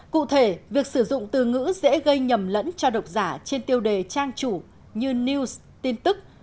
cụ thể việc sử dụng từ ngữ dễ gây nhầm lẫn cho độc giả trên tiêu đề trang chủ như news tin tức